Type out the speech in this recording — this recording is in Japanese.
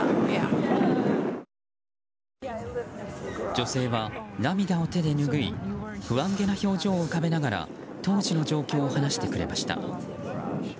女性は涙を手で拭い不安げな表情を浮かべながら当時の状況を話してくれました。